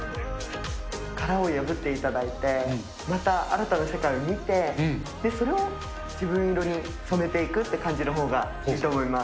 殻を破っていただいて、また新たな世界を見て、それを自分色に染めていくっていう感じのほうがいいと思います。